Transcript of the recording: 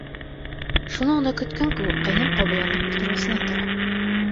Шуны ғына көткән кеүек, ҡәйнәм ҡабаланып ултырғысынан тора.